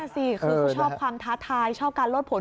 สิคือเขาชอบความท้าทายชอบการลดผล